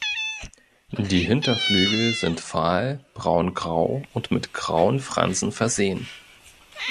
Die Hinterflügel sind fahl braungrau und mit grauen Fransen versehen.